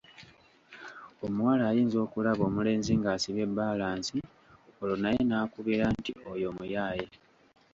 Omuwala ayinza okulaba omulenzi ng’asibye bbalansi olwo naye n’akubira nti oyo muyaaye.